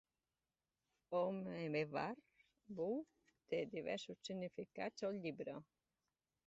Homeward Bound té diversos significats al llibre.